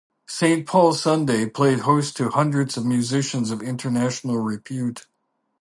"Saint Paul Sunday" played host to hundreds of musicians of international repute.